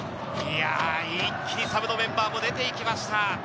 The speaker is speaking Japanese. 一気にサブのメンバーも出ていきました。